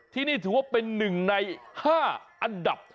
ที่นี่ถือว่าเป็น๑ใน๕อันดับ